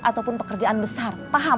ataupun pekerjaan besar paham